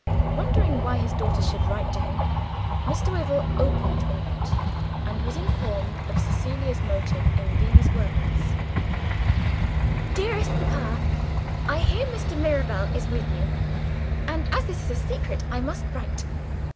Wondering why his daughter should write to him, Mr. Wyvil opened the note, and was informed of Cecilia's motive in these words: "DEAREST PAPA I hear Mr. Mirabel is with you, and as this is a secret, I must write.